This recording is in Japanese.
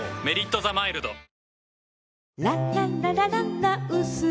「メリットザマイルド」